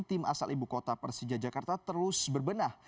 tim asal ibu kota persija jakarta terus berbenah